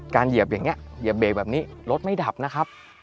เหยียบอย่างนี้เหยียบเบรกแบบนี้รถไม่ดับนะครับ